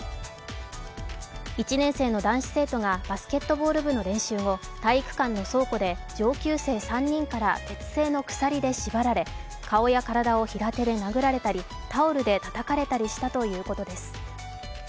１年生の男子生徒がバスケットボール部の練習後、体育館の倉庫で上級生３人から鉄製の鎖で縛られ顔や体を平手で殴られたりタオルでたたかれたりしたということです。